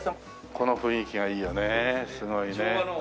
この雰囲気がいいよねすごいねえ。